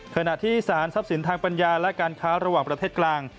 ขณะที่สารทรัพย์สินทางปัญญาและการค้าระหว่างประเทศกลาง